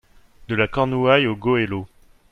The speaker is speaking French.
De la Cornouaille au Goëlo.